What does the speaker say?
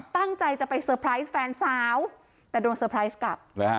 ตั้งใจจะไปเซอร์ไพรส์แฟนสาวแต่โดนเตอร์ไพรส์กลับ